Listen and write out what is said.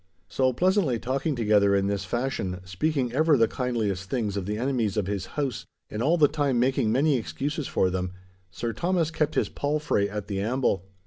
So pleasantly talking together in this fashion, speaking ever the kindliest things of the enemies of his house, and all the time making many excuses for them, Sir Thomas kept his palfrey at the amble.